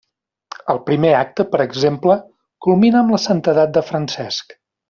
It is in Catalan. El primer acte, per exemple, culmina amb la santedat de Francesc.